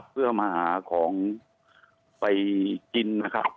เพื่อมาหาของไปกิน